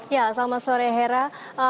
ya selamat sore hera